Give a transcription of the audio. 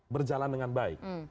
berjalan dengan baik